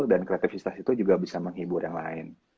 dan kreativitas itu juga bisa menghibur yang lain